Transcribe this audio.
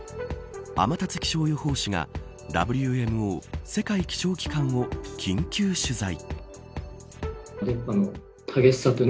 天達気象予報士がＷＭＯ世界気象機関を緊急取材。